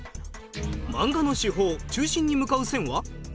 漫画の手法中心に向かう線は？